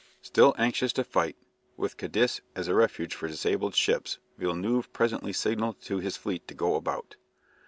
Still anxious to fight, with Cadiz as a refuge for disabled ships, Villeneuve presently signalled to his fleet to go about.